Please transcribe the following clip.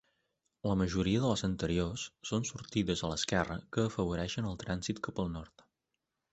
La majoria de les anteriors són sortides a l'esquerra que afavoreixen el trànsit cap al nord.